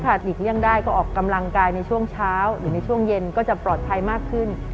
ถ้าหลีกเลี่ยงได้ก็ออกกำลังกายในช่วงเช้าหรือในช่วงเย็นก็จะปลอดภัยมากขึ้น